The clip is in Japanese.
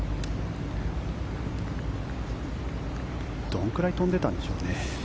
どのくらい飛んでいたんでしょうかね。